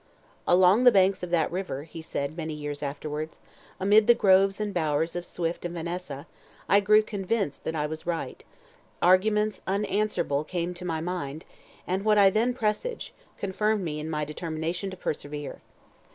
"Along the banks of that river," he said, many years afterwards, "amid the groves and bowers of Swift and Vannessa, I grew convinced that I was right; arguments, unanswerable, came to my mind, and what I then presaged, confirmed me in my determination to persevere."